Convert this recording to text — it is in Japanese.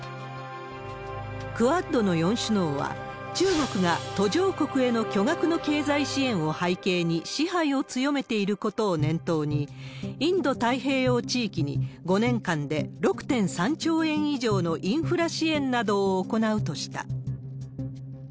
クアッドの４首脳は、中国が途上国への巨額の経済支援を背景に支配を強めていることを念頭に、インド太平洋地域に、５年間で６．３兆円以上のインフラ支援などを行うとした。